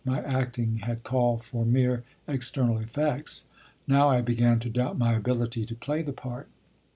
My acting had called for mere external effects. Now I began to doubt my ability to play the part.